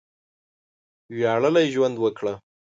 وياړلی ژوند وکړه!